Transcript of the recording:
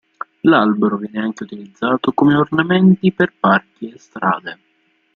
L'albero viene anche utilizzato come ornamenti per parchi e strade.